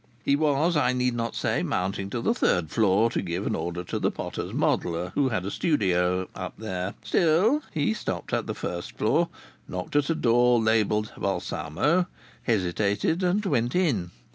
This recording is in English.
He was, I need not say, mounting to the third floor to give an order to the potter's modeller, who had a studio up there. Still he stopped at the first floor, knocked at a door labelled "Balsamo," hesitated, and went in.